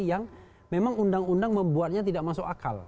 yang memang undang undang membuatnya tidak masuk akal